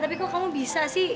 tapi kok kamu bisa sih